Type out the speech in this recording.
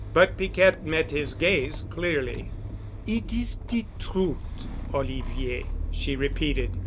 But Piquette met his gaze clearly. "It is de trut', Olivier," she repeated.